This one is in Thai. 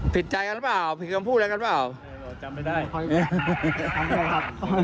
ผิดใจกันหรือเปล่าผิดความพูดเรื่องกันหรือเปล่า